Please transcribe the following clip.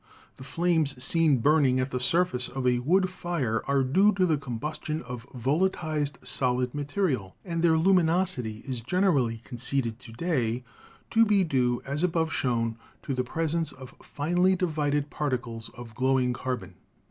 The flames seen burning at the surface of a wood fire are due to the combustion of vola tilized solid material, and their luminosity is generally conceded to day to be due, as above shown, to the presence of finely divided particles of glowing carbon.